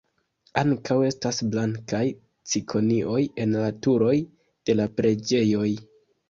Ankaŭ estas blankaj cikonioj en la turoj de la preĝejoj.